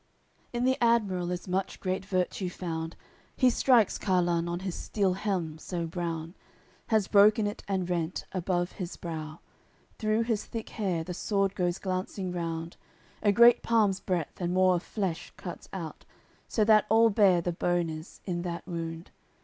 AOI. CCLXI In the admiral is much great virtue found; He strikes Carlun on his steel helm so brown, Has broken it and rent, above his brow, Through his thick hair the sword goes glancing round, A great palm's breadth and more of flesh cuts out, So that all bare the bone is, in that wound.